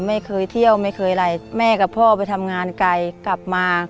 ไม่เคยเที่ยวไม่เคยอะไรแม่กับพ่อไปทำงานไกลกลับมา